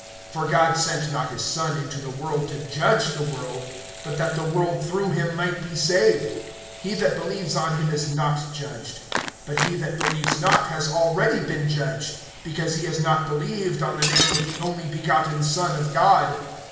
(17)For God sent not his Son into the world to judge the world; but that the world through him might be saved. (18)He that believes on him is not judged; but he that believes not has already been judged, because he has not believed on the name of the only begotten Son of God.